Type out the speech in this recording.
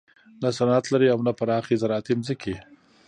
نه صنعت لري او نه پراخې زراعتي ځمکې.